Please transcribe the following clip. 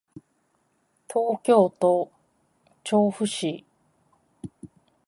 東京都調布市